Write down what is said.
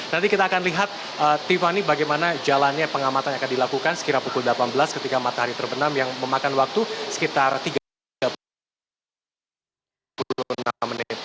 nanti kita akan lihat tiffany bagaimana jalannya pengamatan yang akan dilakukan sekira pukul delapan belas ketika matahari terbenam yang memakan waktu sekitar tiga puluh enam menit